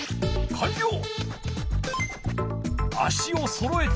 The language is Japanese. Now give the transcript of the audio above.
かんりょう！